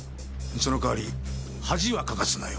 その代わり恥はかかすなよ。